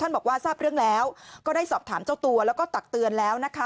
บอกว่าทราบเรื่องแล้วก็ได้สอบถามเจ้าตัวแล้วก็ตักเตือนแล้วนะคะ